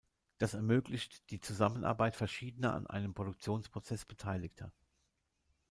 Das ermöglicht die Zusammenarbeit verschiedener an einem Produktionsprozess Beteiligter.